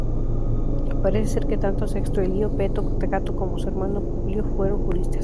Parece ser que tanto Sexto Elio Peto Cato como su hermano Publio fueron juristas.